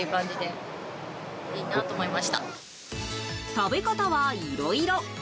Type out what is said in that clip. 食べ方は、いろいろ。